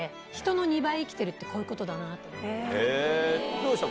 どうでした？